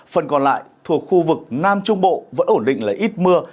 phần còn lại thuộc khu vực nam trung bộ vẫn ổn định là ít mưa